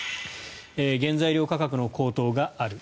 原材料価格の高騰がある。